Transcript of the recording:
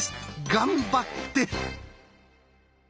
頑張って！